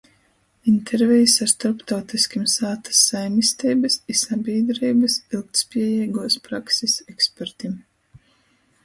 Intervejis ar storptautyskim sātys saimisteibys i sabīdreibys ilgtspiejeiguos praksis ekspertim.